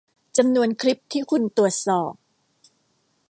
จำนวนคลิปที่คุณตรวจสอบ